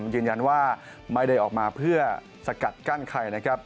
ยืนยันว่าไม่ได้ออกมาเพื่อสกัดกั้นใครนะครับ